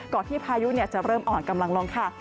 ที่พายุจะเริ่มอ่อนกำลังลงค่ะ